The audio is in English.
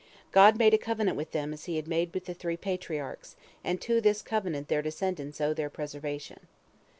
God made a covenant with them as He had made with the three Patriarchs, and to this covenant their descendants owe their preservation.